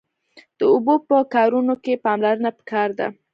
د اوبو په کارونه کښی پاملرنه پکار ده